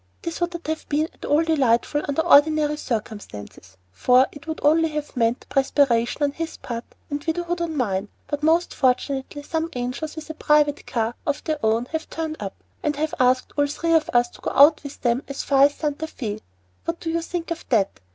This would not have been at all delightful under ordinary circumstances, for it would only have meant perspiration on his part and widowhood on mine, but most fortunately, some angels with a private car of their own have turned up, and have asked all three of us to go out with them as far as Santa Fé. What do you think of that?